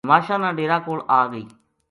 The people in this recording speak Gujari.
نماشاں نا ڈیرا کول آ گئی